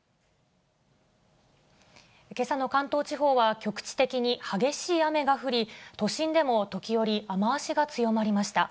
けさの関東地方は局地的に激しい雨が降り、都心でも時折、雨足が強まりました。